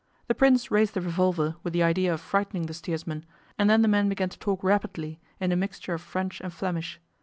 The Prince raised the revolver, with the idea of frightening the steersman, and then the man began to talk rapidly in a mixture of French and Flemish.